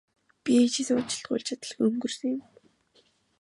Би ээжээсээ уучлалт гуйж чадалгүй өнгөрсөн юм.